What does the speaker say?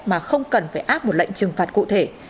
mà không cần phải áp một lệnh trừng phạt cụ thể